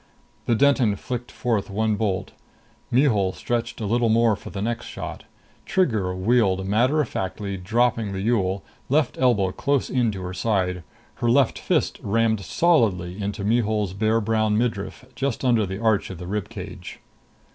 The Denton flicked forth one bolt. Mihul stretched a little more for the next shot. Trigger wheeled matter of factly, dropping the Yool, left elbow close in to her side. Her left fist rammed solidly into Mihul's bare brown midriff, just under the arch of the rib cage.